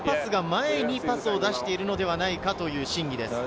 前にパスを出しているのではないかという審議です。